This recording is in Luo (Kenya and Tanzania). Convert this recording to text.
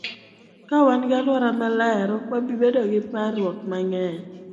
Ka wan gi alwora maler, ok wabi bedo gi par ruok mang'eny.